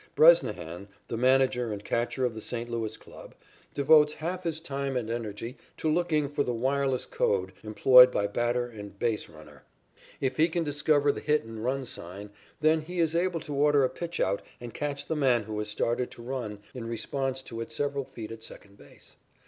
Bresnahan, the manager and catcher of the St. Louis club, devotes half his time and energy to looking for the wireless code employed by batter and base runner. If he can discover the hit and run sign, then he is able to order a pitchout and catch the man who has started to run in response to it several feet at second base.